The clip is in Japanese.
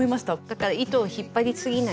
だから糸を引っ張りすぎないっていう。